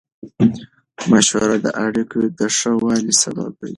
مشوره د اړیکو د ښه والي سبب دی.